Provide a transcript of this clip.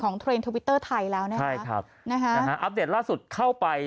ของเทรนด์ทวิตเตอร์ไทยแล้วนะครับอัพเดทล่าสุดเข้าไป